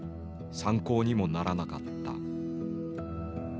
参考にもならなかった。